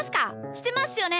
してますよね？